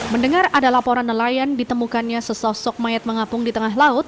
mendengar ada laporan nelayan ditemukannya sesosok mayat mengapung di tengah laut